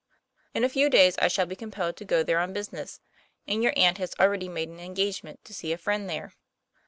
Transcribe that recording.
In a few days I shall be compelled to go there on business, and your aunt has already made an engagement to see a friend there.